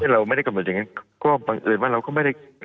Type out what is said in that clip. เราไม่ได้กำหนดอย่างนั้นก็บังเอิญว่าเราก็ไม่ได้